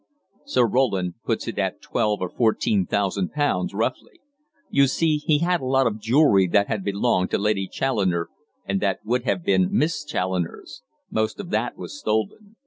"Sir Roland puts it at twelve or fourteen thousand pounds, roughly. You see, he had a lot of jewellery that had belonged to Lady Challoner and that would have been Miss Challoner's; most of that was stolen.